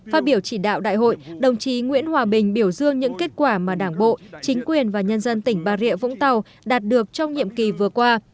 phát biểu chỉ đạo đại hội đồng chí nguyễn hòa bình biểu dương những kết quả mà đảng bộ chính quyền và nhân dân tỉnh bà rịa vũng tàu đạt được trong nhiệm kỳ vừa qua